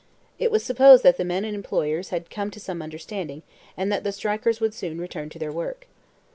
It was supposed that the men and employers had come to some understanding, and that the strikers would soon return to their work.